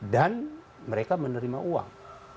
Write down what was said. dan mereka menerima uang